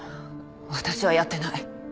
私はやってない。